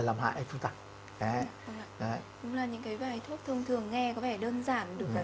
đúng là những cái vài thuốc thông thường nghe có vẻ đơn giản